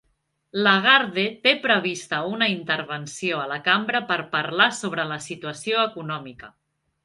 Lagarde té prevista una intervenció a la cambra per parlar sobre la situació econòmica